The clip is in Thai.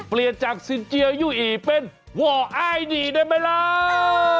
เปลี่ยนจากซินเจียวยู่อีเป็นว่ออ้ายหนีได้ไหมล่ะ